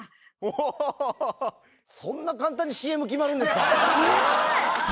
そんな簡単にＣＭ決まるんですか？